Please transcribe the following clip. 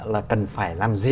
là cần phải làm gì